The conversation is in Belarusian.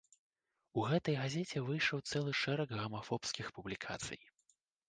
У гэтай газеце выйшаў цэлы шэраг гамафобскіх публікацый.